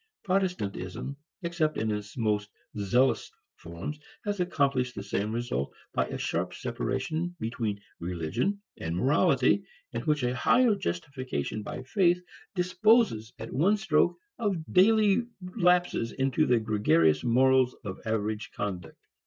Protestantism, except in its most zealous forms, has accomplished the same result by a sharp separation between religion and morality in which a higher justification by faith disposes at one stroke of daily lapses into the gregarious morals of average conduct.